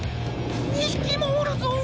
２ひきもおるぞ！